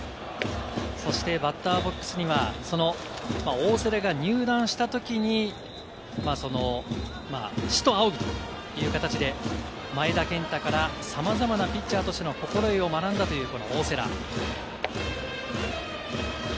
バッターボックスには大瀬良が入団したときに、師と仰ぐという形で、前田健太からさまざまなピッチャーとしての心得を学んだという大瀬良。